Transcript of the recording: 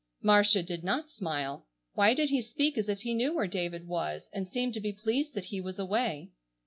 Marcia did not smile. Why did he speak as if he knew where David was, and seemed to be pleased that he was away?